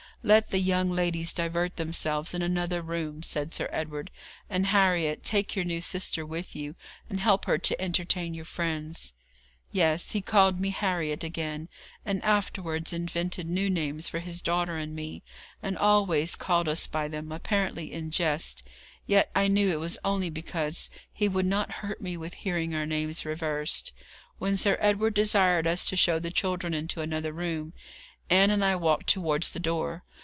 'Let the young ladies divert themselves in another room,' said Sir Edward; 'and Harriet, take your new sister with you, and help her to entertain your friends.' Yes, he called me Harriet again, and afterwards invented new names for his daughter and me, and always called us by them, apparently in jest; yet I knew it was only because he would not hurt me with hearing our names reversed. When Sir Edward desired us to show the children into another room, Ann and I walked towards the door.